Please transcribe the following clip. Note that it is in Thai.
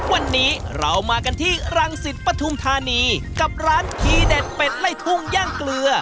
วันนี้เรามากันที่รังสิตปฐุมธานีกับร้านทีเด็ดเป็ดไล่ทุ่งย่างเกลือ